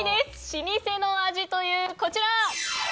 老舗の味というこちら。